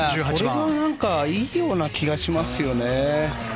これがいいような気がしますよね。